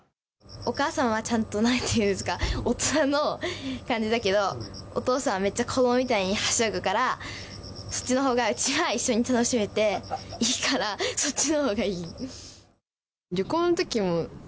お母さんはちゃんとなんていうんですか大人の感じだけどお父さんはめっちゃ子どもみたいにはしゃぐからそっちのほうがうちは一緒に楽しめていいからそっちのほうがいい。